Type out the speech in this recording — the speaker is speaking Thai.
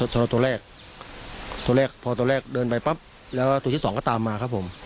สำหรับตัวแรกตัวแรกพอตัวแรกเดินไปปั๊บแล้วตัวที่สองก็ตามมาครับผม